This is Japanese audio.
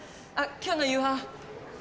今日の夕飯。